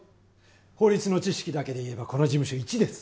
法律の知識だけでいえばこの事務所いちです。